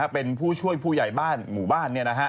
เป็นผู้ช่วยผู้ใหญ่บ้านหมู่บ้าน